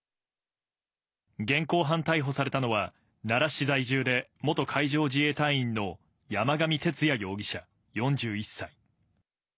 現行犯逮捕されたのは、奈良市在住で、元海上自衛隊員の山上徹也容疑者４１歳。